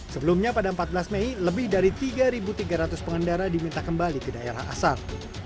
sebelumnya pada empat belas mei lebih dari tiga tiga ratus pengendara diminta kembali ke daerah asal